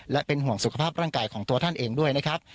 และเป็นห่วงสุขภาพร่างกายของตัวท่านเองด้วยนะครับ